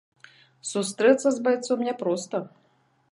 Сустрэцца з байцом няпроста.